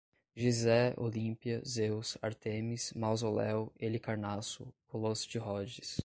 Gizé, Olímpia, Zeus, Ártemis, Mausoléu, Helicarnasso, Colosso de Rodes